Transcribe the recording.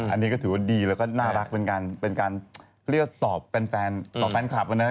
อันนี้ก็ถือว่าดีแล้วก็น่ารักเป็นการเรียกตอบแฟนต่อแฟนคลับนะ